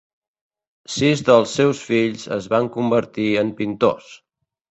Sis dels seus fills es van convertir en pintors.